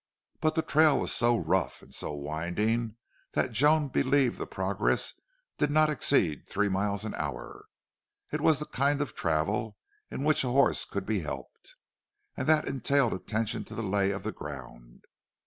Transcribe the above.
But the trail was so rough, and so winding, that Joan believed the progress did not exceed three miles an hour. It was the kind of travel in which a horse could be helped and that entailed attention to the lay of the ground.